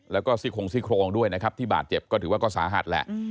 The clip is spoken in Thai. แล้วก็ซี่โครงซี่โครงด้วยนะครับที่บาดเจ็บก็ถือว่าก็สาหัสแหละ